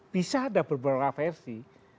bisa ada beberapa versi